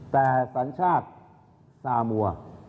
แต่สัญชาติซามัว